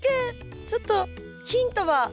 ちょっとヒントは？